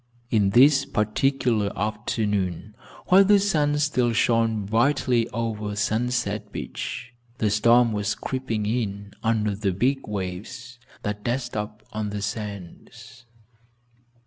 On this particular afternoon, while the sun still shone brightly over Sunset Beach, the storm was creeping in under the big waves that dashed up on the sands.